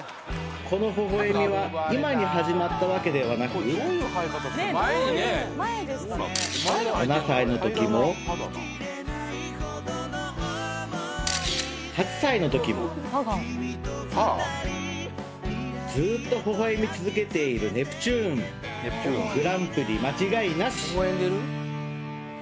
このほほ笑みは今に始まったわけではなく７歳のときも８歳のときもずっとほほ笑み続けているネプチューングランプリ間違いなし